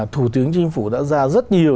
thủ tướng chính phủ đã ra rất nhiều